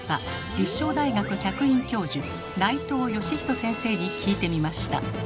立正大学客員教授内藤誼人先生に聞いてみました。